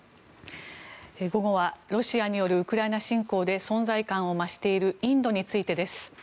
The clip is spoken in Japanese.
午後はロシアによるウクライナ侵攻で存在感を増しているインドについてです。